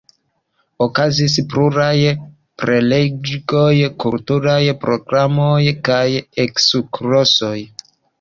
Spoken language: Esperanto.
Okazis pluraj prelegoj, kulturaj programoj kaj ekskursoj.